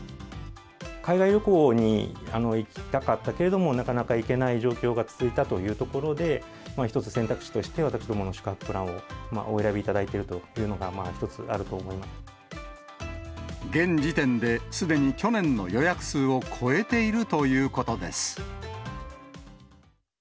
海外旅行に行きたかったけれども、なかなか行けない状況が続いたというところで、一つ選択肢として、私どもの宿泊プランをお選びいただいているというのが、一つある現時点で、すでに去年の予約数を超えているということです。